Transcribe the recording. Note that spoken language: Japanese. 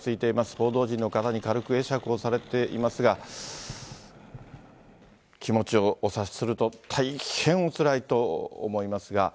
報道陣の方に軽く会釈をされていますが、気持ちをお察しすると、大変おつらいと思いますが。